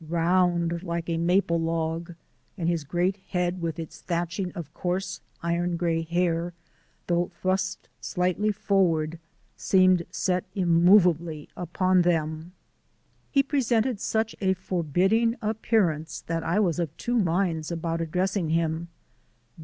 round like a maple log; and his great head with its thatching of coarse iron gray hair, though thrust slightly forward, seemed set immovably upon them. He presented such a forbidding appearance that I was of two minds about addressing him.